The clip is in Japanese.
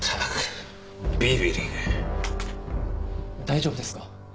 大丈夫ですか？